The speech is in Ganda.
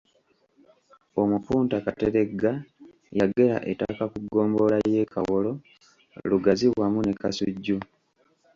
Omupunta Kateregga yagera ettaka ku Ggombolola y'e Kawolo Lugazi wamu ne Kasujju.